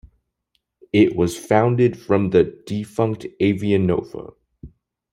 It was founded from the defunct Avianova.